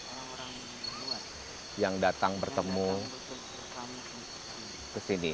orang orang yang datang bertemu kesini